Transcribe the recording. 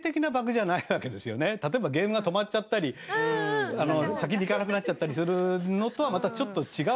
例えばゲームが止まっちゃったり先に行かなくなっちゃったりするのとはまたちょっと違うけど。